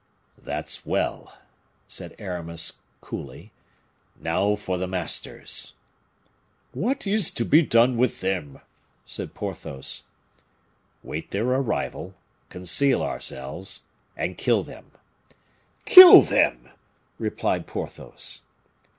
"That's well!" said Aramis, coolly, "now for the masters!" "What is to be done with them?" said Porthos. "Wait their arrival, conceal ourselves, and kill them." "Kill them!" replied Porthos.